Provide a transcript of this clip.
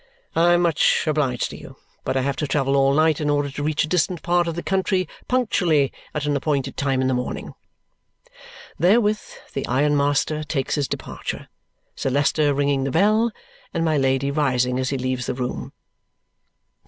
"I am much obliged to you, but I have to travel all night in order to reach a distant part of the country punctually at an appointed time in the morning." Therewith the ironmaster takes his departure, Sir Leicester ringing the bell and my Lady rising as he leaves the room.